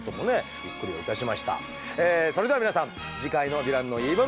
それでは皆さん次回の「ヴィランの言い分」